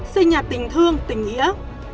xây nhà tình thương tình nghĩa